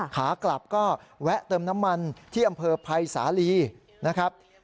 ขากลับก็แวะเติมน้ำมันที่อำเภอภัยสาลีนะครับ